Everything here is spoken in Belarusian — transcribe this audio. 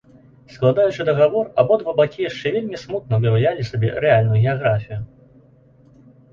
Складаючы дагавор, абодва бакі яшчэ вельмі смутна ўяўлялі сабе рэальную геаграфію.